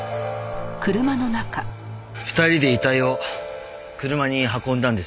２人で遺体を車に運んだんですよね。